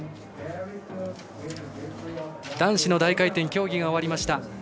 男子の大回転競技が終わりました。